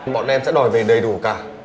bọn em sẽ đòi về đầy đủ cả